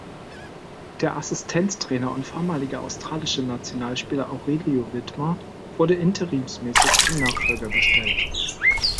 Der Assistenztrainer und vormalige australische Nationalspieler Aurelio Vidmar wurde interimsmäßig zum Nachfolger bestellt.